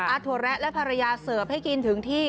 ถั่วแระและภรรยาเสิร์ฟให้กินถึงที่